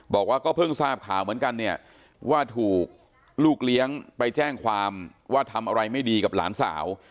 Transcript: บอกว่าก็เพิ่งทราบข่าวเหมือนกันเนี่ยว่าถูกลูกเลี้ยงไปแจ้งความว่าทำอะไรไม่ดีกับหลานสาว